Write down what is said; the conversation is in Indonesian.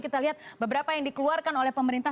kita lihat beberapa yang dikeluarkan oleh pemerintah